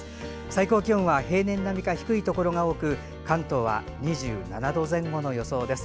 最高気温は平年並みか低いところが多く関東は２７度前後の予想です。